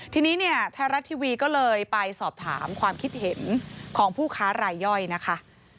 ทีนี้เนี่ยไทยรัฐทีวีก็เลยไปสอบถามความคิดเห็นของผู้ค้ารายย่อยนะคะ